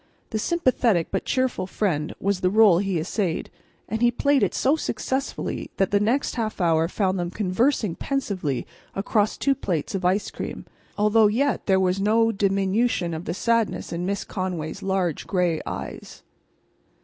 The sympathetic but cheerful friend was the rôle he essayed; and he played it so successfully that the next half hour found them conversing pensively across two plates of ice cream, though yet there was no diminution of the sadness in Miss Conway's large gray eyes.